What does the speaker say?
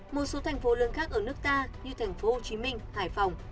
một số thành phố lớn khác ở nước ta như thành phố hồ chí minh hải phòng